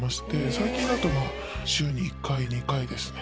最近だと週に１回２回ですね。